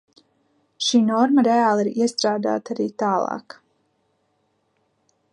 Šī norma reāli ir iestrādāta arī tālāk.